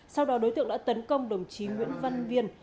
sau đó đối tượng đã tấn công đồng chí nguyễn văn viên